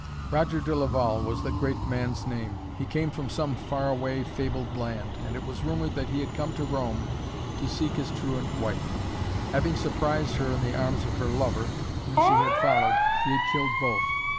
Roger de Laval was the great man's name. He came from some far away, fabled land, and it was rumored that he had come to Rome to seek his truant wife. Having surprised her in the arms of her lover, whom she had followed, he had killed both.